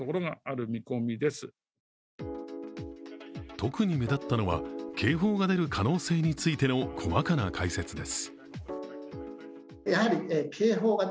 特に目立ったのは、警報が出る可能性についての細かな解説です。